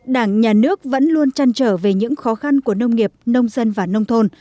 đảng nhà nước vẫn luôn trăn trở về những khó khăn của nông nghiệp nông dân và nông thôn